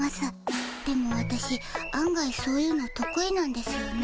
でもわたしあん外そういうのとく意なんですよね。